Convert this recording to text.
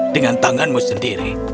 dengan tanganmu sendiri